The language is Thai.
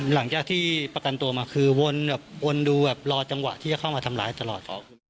หลังจากที่ประกันตัวมาคือวนแบบวนดูแบบรอจังหวะที่จะเข้ามาทำร้ายตลอด